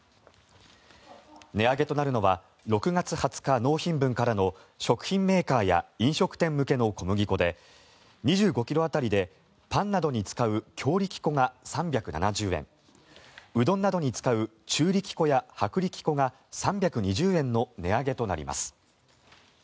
値上げとなるのは６月２０日納品分からの食品メーカーや飲食店向けの小麦粉で２５ｋｇ当たりでパンなどに使う強力粉が３７０円うどんなどに使う中力粉や薄力粉が３２０円の値上げとなります。